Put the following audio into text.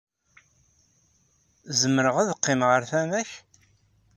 Zemreɣ ad qqimeɣ ɣer tama-k?